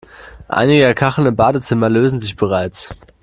Einige der Kacheln im Badezimmer lösen sich bereits.